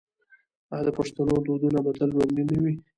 آیا د پښتنو دودونه به تل ژوندي نه وي؟